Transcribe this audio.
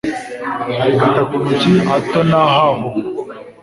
Arigata ku ntoki hato na haho